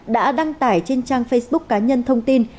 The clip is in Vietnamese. đã đăng tải trên trang facebook cá nhân thông tin